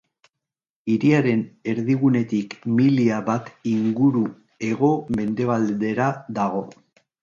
Hiriaren erdigunetik milia bat inguru hego-mendebaldera dago.